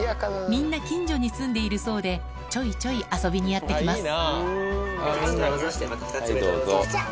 みんな近所に住んでいるそうでちょいちょい遊びにやって来ます